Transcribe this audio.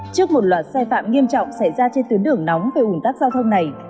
trước một loạt sai phạm nghiêm trọng xảy ra trên tướng đường nóng về ủng tắc giao thông này